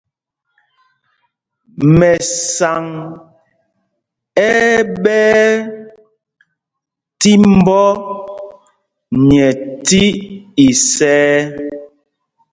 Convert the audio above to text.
Mɛsaŋ ɛ́ ɛ́ ɓɛɛ tí mbɔ nyɛ tí isɛɛ.